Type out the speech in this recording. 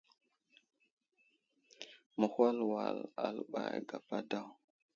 Mehwal wal aləɓay gapa daw.